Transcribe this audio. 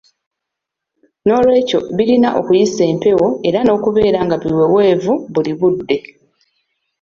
N'olwekyo birina okuyisa empewo era n'okubeera nga biweweevu buli budde.